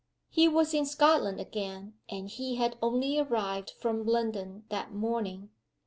He was in Scotland again, and he had only arrived from London that morning.